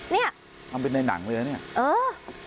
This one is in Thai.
เนี่ยเอาเป็นในหนังหรือยังเนี่ยเออ